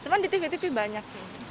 cuma di tv tv banyak